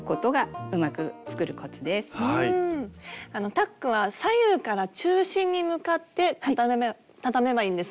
タックは左右から中心に向かってたためばいいんですね。